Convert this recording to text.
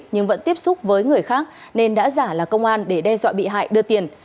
nhưng vẫn tiếp xúc với người khác nên đã giả là công an để đe dọa bị hại đưa tiền